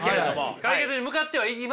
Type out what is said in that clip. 解決に向かってはいますけど。